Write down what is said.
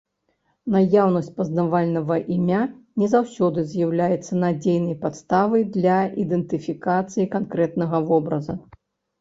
Наяўнасць пазнавальнага імя не заўсёды з'яўляецца надзейнай падставай для ідэнтыфікацыі канкрэтнага вобраза.